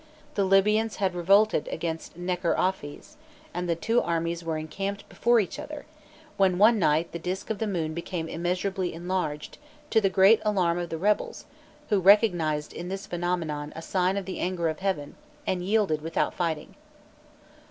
The Libyans had revolted against Necherophes, and the two armies were encamped before each other, when one night the disk of the moon became immeasurably enlarged, to the great alarm of the rebels, who recognized in this phenomenon a sign of the anger of heaven, and yielded without fighting.